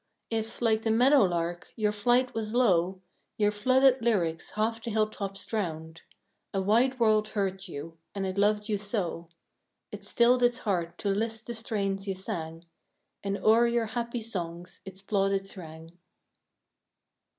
If, like the meadow lark, your flight was low Your flooded lyrics half the hilltops drowned; A wide world heard you, and it loved you so It stilled its heart to list the strains you sang, And o'er your happy songs its plaudits rang.